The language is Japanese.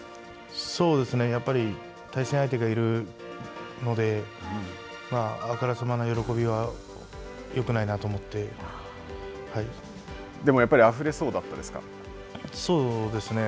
そうですね、やっぱり対戦相手がいるので、あからさまな喜びは、でも、やっぱりあふれそうだっそうですね。